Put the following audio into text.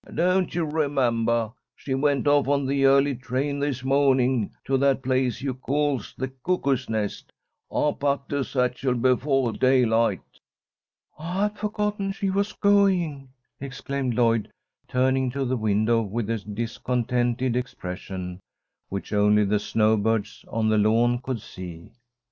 "Don't you remembah? She went off on the early train this mawning to that place you all calls the Cuckoo's Nest. I packed her satchel befoah daylight." "I had forgotten she was going," exclaimed Lloyd, turning to the window with a discontented expression, which only the snowbirds on the lawn could see.